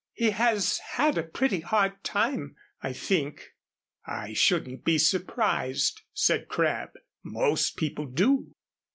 He has had a pretty hard time, I think." "I shouldn't be surprised," said Crabb, "most people do."